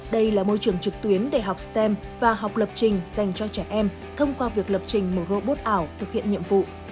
đây là môi trường trực tuyến để học stem và học lập trình dành cho trẻ em thông qua việc lập trình một robot ảo thực hiện nhiệm vụ